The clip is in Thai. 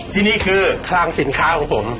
ที่นี่คือคลังสินค้าของผม